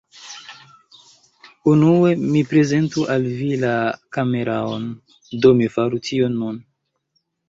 Unue, mi prezentu al vi la kameraon, do mi faru tion nun.